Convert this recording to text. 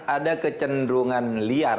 ada kecenderungan liar